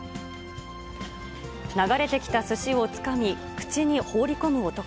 流れてきたすしをつかみ、口に放り込む男。